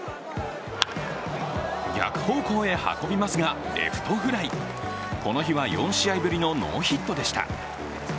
逆方向へ運びますが、レフトフライこの日は４試合ぶりのノーヒットでした。